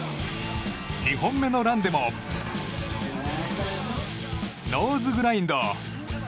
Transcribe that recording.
２本目のランでもノーズグラインド。